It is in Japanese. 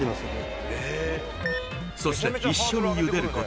そして一緒に茹でること